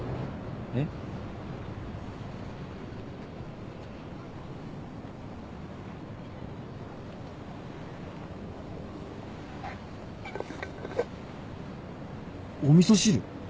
えっ？お味噌汁？